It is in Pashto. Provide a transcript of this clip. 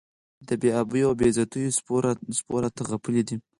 د بې آبیو او بې عزتیو سپو راته غپلي دي.